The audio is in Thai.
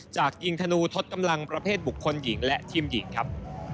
อิงธนูทศกำลังประเภทบุคคลหญิงและทีมหญิงครับ